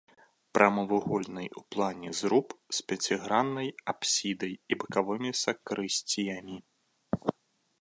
Прамавугольны ў плане зруб з пяціграннай апсідай і бакавымі сакрысціямі.